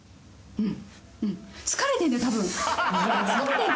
うん。